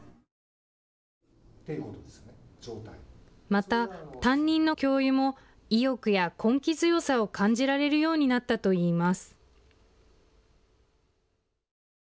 また、担任の教諭も意欲や根気強さを感じられるようになったといいます。